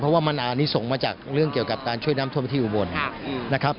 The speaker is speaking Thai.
เพราะว่ามันอันนี้ส่งมาจากเรื่องเกี่ยวกับการช่วยน้ำท่วมที่อุบลนะครับ